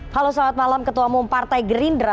halo selamat malam ketua umum partai gerindra